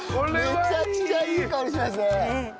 めちゃくちゃいい香りしますね！